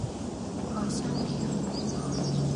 愛沙尼亞